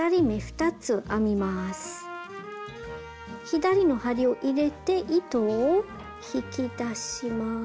左の針を入れて糸を引き出します。